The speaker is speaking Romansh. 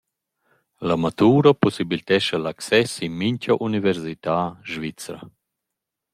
La matura pussibiltescha l’access in mincha università svizra.